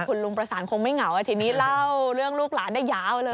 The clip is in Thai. คุณลุงประสานคงไม่เหงาทีนี้เล่าเรื่องลูกหลานได้ยาวเลย